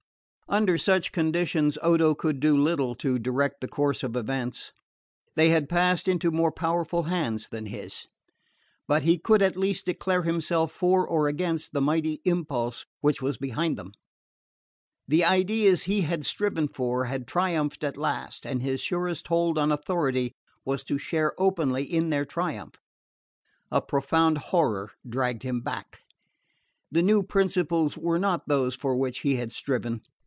Under such conditions Odo could do little to direct the course of events. They had passed into more powerful hands than his. But he could at least declare himself for or against the mighty impulse which was behind them. The ideas he had striven for had triumphed at last, and his surest hold on authority was to share openly in their triumph. A profound horror dragged him back. The new principles were not those for which he had striven.